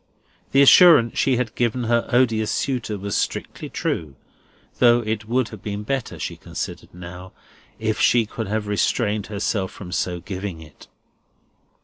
The assurance she had given her odious suitor was strictly true, though it would have been better (she considered now) if she could have restrained herself from so giving it.